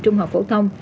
trung học phổ thông